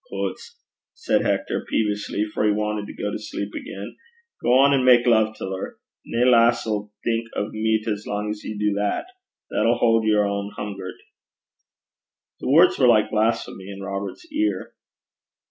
'Hoots!' said Hector, peevishly, for he wanted to go to sleep again, 'gang and mak luve till her. Nae lass 'll think o' meat as lang 's ye do that. That 'll haud her ohn hungert.' The words were like blasphemy in Robert's ear.